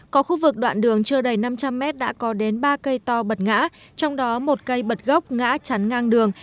có khu vực đoạn đường chưa đầy năm trăm linh mét đã có đến ba cây to bật ngã trong đó một cây bật gốc ngã chắn ngang đường